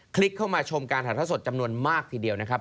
ลิกเข้ามาชมการถ่ายท่อสดจำนวนมากทีเดียวนะครับ